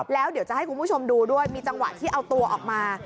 แล้วเดี๋ยวจะให้คุณผู้ชมดูด้วยมีจังหวะที่เอาตัวออกมา